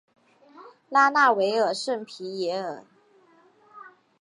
拉纳维尔圣皮耶尔。